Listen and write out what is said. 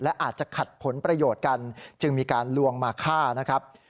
และอาจจะขัดผลประโยชน์กันจึงมีการลวงมาฆ่านะครับ